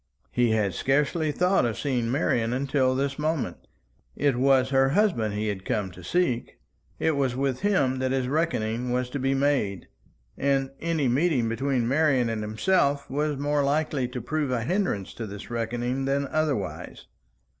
He had scarcely thought of seeing Marian until this moment. It was her husband he had come to seek; it was with him that his reckoning was to be made; and any meeting between Marian and himself was more likely to prove a hindrance to this reckoning than otherwise.